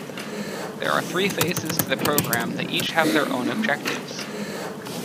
There are three phases to the program that each have their own objectives.